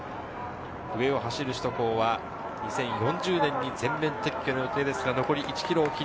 上を走る首都高は２０４０年に全面撤去の予定です。